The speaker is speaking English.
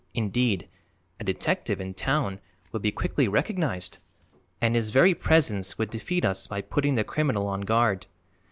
Indeed, a detective in town would be quickly recognized and his very presence would defeat us by putting the criminal on guard.